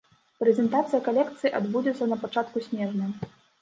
Прэзентацыя калекцыі адбудзецца на пачатку снежня.